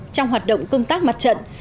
trong hoạt động công tác mặt trận